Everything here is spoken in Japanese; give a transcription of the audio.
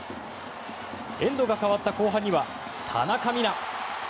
エンドが替わった後半には田中美南。